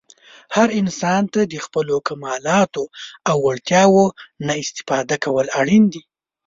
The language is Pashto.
هر انسان ته د خپلو کمالاتو او وړتیاوو نه استفاده کول اړین دي.